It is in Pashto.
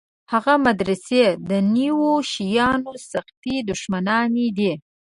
هغه مدرسې د نویو شیانو سختې دښمنانې دي.